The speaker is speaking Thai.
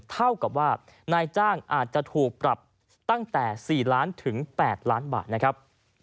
เท่ากับว่านายจ้างอาจจะถูกปรับตั้งแต่๔ล้านถึง๘ล้านบาทนะครับ